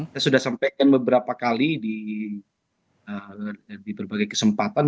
saya sudah sampaikan beberapa kali di berbagai kesempatan